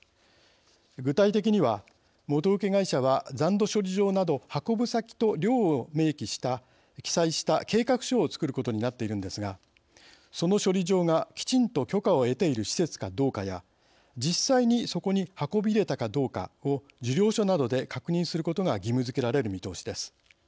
具体的には、元請け会社は残土処理場など運ぶ先と量を記載した計画書を作ることになっているのですがその処理場が、きちんと許可を得ている施設かどうかや実際に、そこに運び入れたかどうかを受領書などで確認することが義務付けられる見通しです。